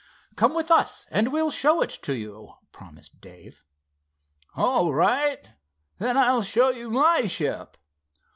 "Come with us and we'll show it to you," promised Dave. "All right. Then I'll show you my ship."